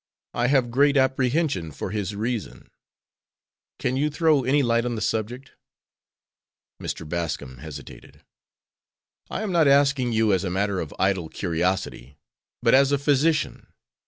I have great apprehension for his reason. Can you throw any light on the subject?" Mr. Bascom hesitated. "I am not asking you as a matter of idle curiosity, but as a physician.